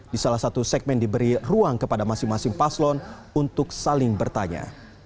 di salah satu segmen diberi ruang kepada masing masing paslon untuk saling bertanya